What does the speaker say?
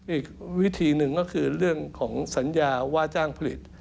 อีกวิธีหนึ่งก็คือเรื่องของสัญญาว่าจ้างผลิต